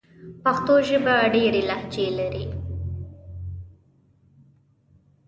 پښتو ژبه ډېري لهجې لري.